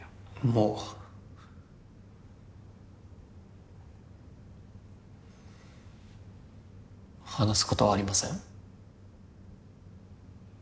もう話すことはありません